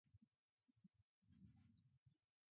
Publikoari hainbeste pentsatzea ez ote da bekatu?